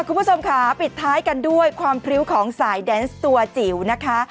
คุณผู้ชมค่ะปิดท้ายกันด้วยความพริ้วของสายแดนส์ตัวจิ๋วนะคะ